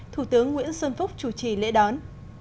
thủ tướng nguyễn xuân phúc chủ trì lễ đón